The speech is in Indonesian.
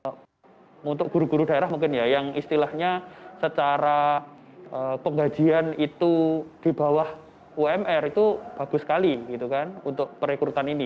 untuk guru guru daerah mungkin ya yang istilahnya secara penggajian itu di bawah umr itu bagus sekali gitu kan untuk perekrutan ini